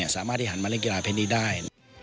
สามารถยันทร์มาเล่นกีฬาแน่นี้ได้